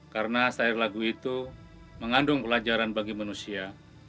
karena sayur lagu itu mengandung pelajaran bagi manusia